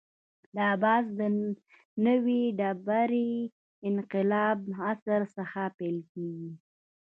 دا بحث د نوې ډبرې انقلاب عصر څخه پیل کېږي.